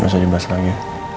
gak usah jembas lagi